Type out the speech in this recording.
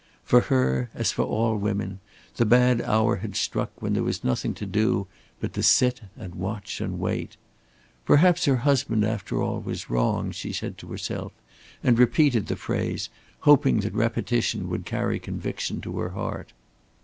For her, as for all women, the bad hour had struck when there was nothing to do but to sit and watch and wait. Perhaps her husband, after all, was wrong, she said to herself, and repeated the phrase, hoping that repetition would carry conviction to her heart.